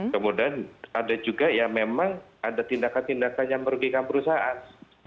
kemudian ada juga ya memang ada tindakan tindakan yang merugikan perusahaan